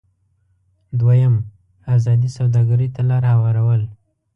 دویم: ازادې سوداګرۍ ته لار هوارول.